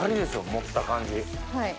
持った感じ。